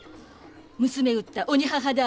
「娘売った鬼母だ